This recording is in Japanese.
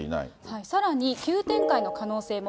さらに急展開の可能性も。